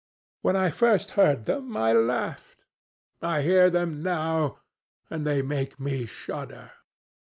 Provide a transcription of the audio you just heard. When I first heard them, I laughed. I hear them now, and they make me shudder.